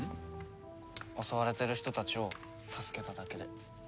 襲われてる人たちを助けただけで。